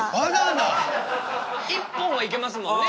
「一本」はいけますもんね。